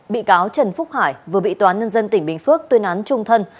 bị cáo trần phúc hải vừa bị toán nhân dân tỉnh bình phước tuyên án trung thân